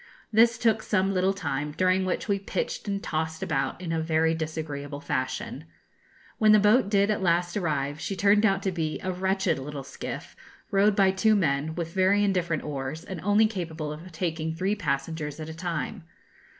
This took some little time during which we pitched and tossed about in a very disagreeable fashion. When the boat did at last arrive she turned out to be a wretched little skiff, rowed by two men, with very indifferent oars, and only capable of taking three passengers at a time.